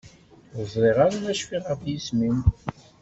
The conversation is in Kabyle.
Ur ẓriɣ ara ma cfiɣ ɣef yisem-im.